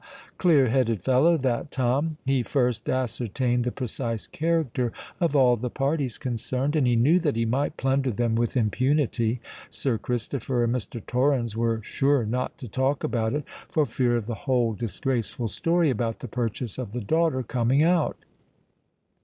clear headed fellow, that Tom! He first ascertained the precise character of all the parties concerned; and he knew that he might plunder them with impunity. Sir Christopher and Mr. Torrens were sure not to talk about it, for fear of the whole disgraceful story about the purchase of the daughter coming out.